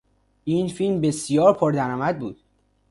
این فیلم بسیار پر درآمد بود.